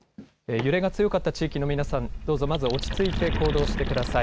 揺れが強かった地域の皆さん、どうぞまず落ち着いて行動してください。